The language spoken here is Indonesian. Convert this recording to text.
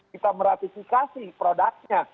kita meratifikasi produknya